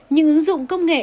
những ứng dụng công nghệ